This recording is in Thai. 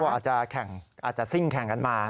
อาจจะแข่งอาจจะซิ่งแข่งกันมา